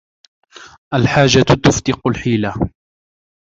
الحاجة تفتق الحيلة